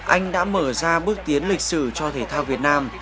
anh đã mở ra bước tiến lịch sử cho thể thao việt nam